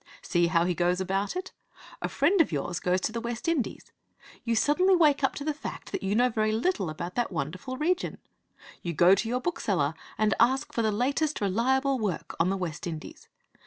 See how he goes about it. A friend of yours goes to the West Indies. You suddenly wake up to the fact that you know very little about that wonderful region. You go to your bookseller and ask for the latest reliable work on the West Indies.